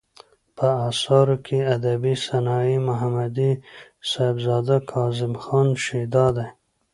په اثارو کې ادبي صنايع ، محمدي صاحبزداه ،کاظم خان شېدا دى.